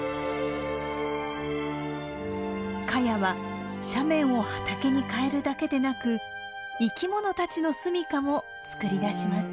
カヤは斜面を畑に変えるだけでなく生きものたちの住みかもつくり出します。